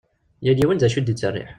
Yal yiwen d acu i ad ittserriḥ.